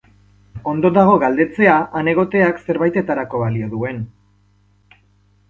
Ondo dago galdetzea han egoteak zerbaitetarako balio duen.